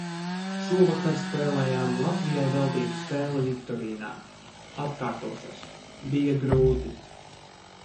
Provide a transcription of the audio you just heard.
Šovakar spēlējām Latvijai veltītu spēli Viktorīnā. Atkārtošos – bija grūti.